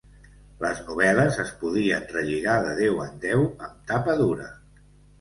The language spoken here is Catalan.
Les novel·les es podien relligar de deu en deu amb tapa dura.